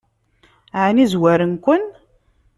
Ɛni zwaren-ken?